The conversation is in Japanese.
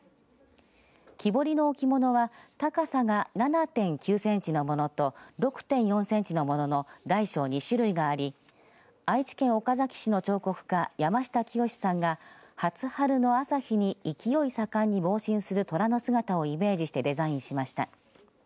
木彫りの置物は高さが７．９センチのものと６．４センチのものの大小２種類があり愛知県岡崎市の彫刻家山下清さんが初春の朝日に勢い盛んに猛進するとらの姿をイメージしてデザインしました。